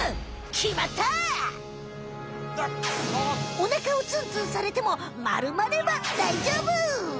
おなかをツンツンされてもまるまればだいじょうぶ！